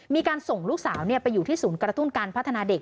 มีการส่งลูกสาวไปอยู่ที่ศูนย์กระตุ้นการพัฒนาเด็ก